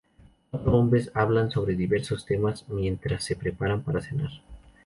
Cuatro hombres hablan sobre diversos temas mientras se preparan para cenar.